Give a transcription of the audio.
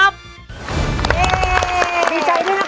บิใจด้วยนะคะ